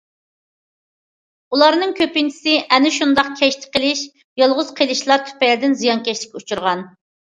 ئۇلارنىڭ كۆپىنچىسى ئەنە شۇنداق كەچتە قېلىش، يالغۇز قېلىشلار تۈپەيلىدىن زىيانكەشلىككە ئۇچرىغان.